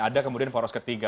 ada kemudian poros ketiga